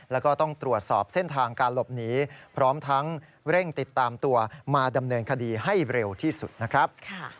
แล้วก็ต้องตรวจสอบเส้นทางการหลบหนีพร้อมทั้งเร่งติดตามตัวมาดำเนินคดีให้เร็วที่สุดนะครับ